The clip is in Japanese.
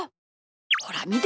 ほらみて！